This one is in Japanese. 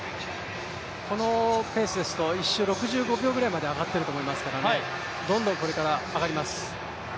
このペースですと、１周６５秒ぐらいまで上がっていると思いますからどんどんこれから上がります。